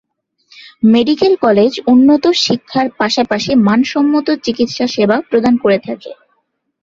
Medical college উন্নত শিক্ষার পাশাপাশি মানসম্মত চিকিৎসা সেবা প্রদান করে থাকে।